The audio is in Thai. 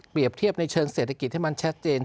เปรียบเทียบในเชิงเศรษฐกิจให้มันแชทเจน